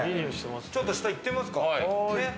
ちょっと下行ってみますか。